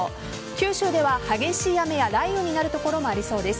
九州では激しい雨や雷雨になる所もありそうです。